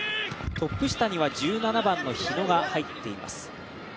トップ下には１７番の日野が入っています。